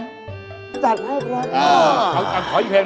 อาหารการกิน